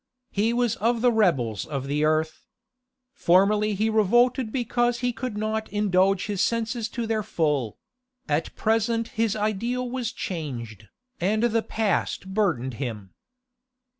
He was of the rebels of the earth. Formerly he revolted because he could not indulge his senses to their full; at present his ideal was changed, and the past burdened him.